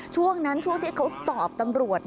ช่วงนั้นช่วงที่เขาตอบตำรวจ